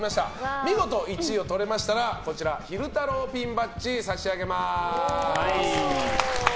見事１位を取れましたら昼太郎ピンバッジ差し上げます。